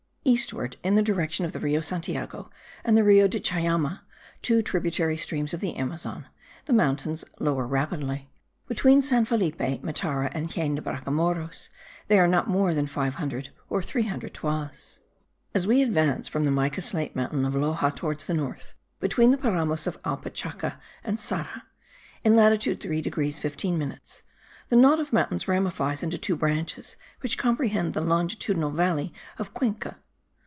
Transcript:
Eastward, in the direction of the Rio Santiago and the Rio de Chamaya, two tributary streams of the Amazon, the mountains lower rapidly: between San Felipe, Matara, and Jaen de Bracamoros, they are not more than 500 or 300 toises. As we advance from the mica slate mountain of Loxa towards the north, between the Paramos of Alpachaca and Sara (in latitude 3 degrees 15 minutes) the knot of mountains ramifies into two branches which comprehend the longitudinal valley of Cuenca.